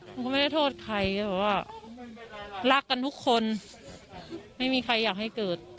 มันก็ไม่ได้โทษใครแต่ว่ารักกันทุกคนไม่มีใครอยากให้เกิด